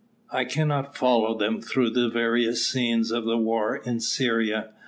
I cannot follow them through the various scenes of the war in Syria.